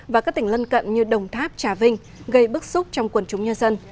và các tỉnh lân cận như đồng tháp trà vinh gây bức xúc trong quần chúng nhân dân